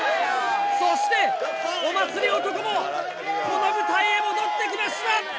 そしてお祭り男もこの舞台へ戻ってきました！